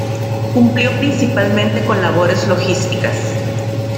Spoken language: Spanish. Cumplió principalmente con labores logísticas.